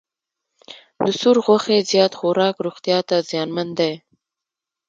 د سور غوښې زیات خوراک روغتیا ته زیانمن دی.